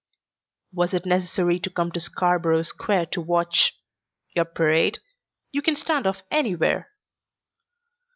"Was it necessary to come to Scarborough Square to watch your parade? One can stand off anywhere."